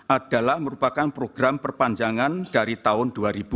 adalah merupakan program perpanjangan dari tahun dua ribu dua puluh